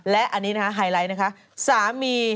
และอันนี้นะคะไฮไลท์นะคะสามี